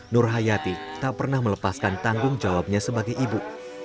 nur hayati tak pernah melepaskan tanggung jawabnya sebagai ibu